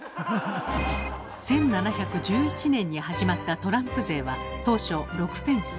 １７１１年に始まったトランプ税は当初６ペンス。